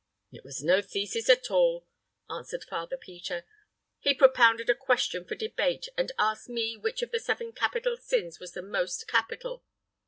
"It was no thesis at all," answered Father Peter. "He propounded a question for debate, and asked me which of the seven capital sins was the most capital.